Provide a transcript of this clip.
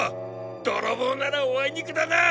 泥棒ならおあいにくだな！